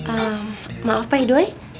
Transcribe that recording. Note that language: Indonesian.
ehm maaf pak idoi